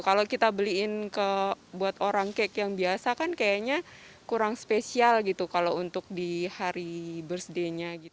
kalau kita beliin buat orang cake yang biasa kan kayaknya kurang spesial gitu kalau untuk di hari burseday nya